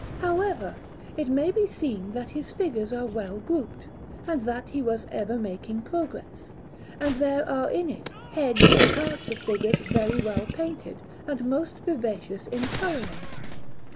However, it may be seen that his figures are well grouped, and that he was ever making progress; and there are in it heads and parts of figures very well painted, and most vivacious in colouring.